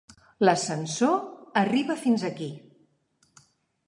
L'ascensor arriba fins aquí.